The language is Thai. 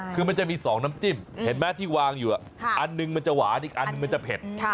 คือมันจะมี๒น้ำจิ้มเห็นไหมที่วางอยู่อันหนึ่งมันจะหวานอีกอันนึงมันจะเผ็ด